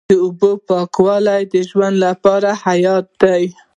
د اوبو پاکوالی د ژوند لپاره حیاتي دی.